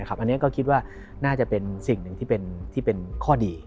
อันนี้ก็คิดว่าน่าจะเป็นสิ่งหนึ่งที่เป็นข้อดี